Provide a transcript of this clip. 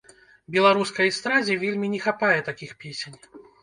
Беларускай эстрадзе вельмі не хапае такіх песень.